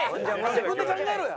自分で考えろや。